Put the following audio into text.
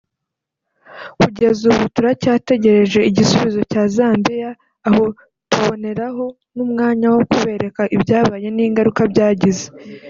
Kugeza ubu turacyategereje igisubizo cya Zambia aho tuboneraho n’umwanya wo kubereka ibyabaye n’ingaruka byagize